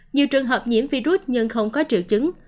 nhiều trường hợp nhiễm virus nhưng không có triệu chứng